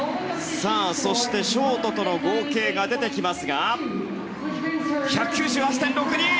そして、ショートとの合計が出てきますが１９８．６２。